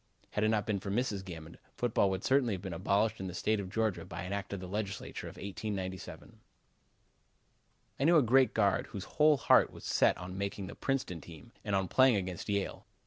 Had it not been for Mrs. Gammon, football would certainly have been abolished in the State of Georgia by an act of the Legislature of 1897. I knew a great guard whose whole heart was set on making the Princeton team, and on playing against Yale.